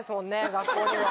学校には。